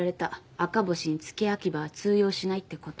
赤星に付け焼き刃は通用しないってこと。